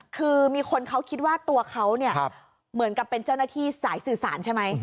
คือมีคนเขาคิดว่าตัวเขาเนี่ยเหมือนกับเป็นเจ้าหน้าที่สายสื่อสารใช่ไหม